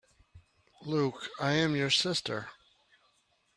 Luke, I am your sister!